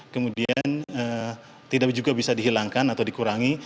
kemudian tidak juga bisa dihilangkan atau dikurangi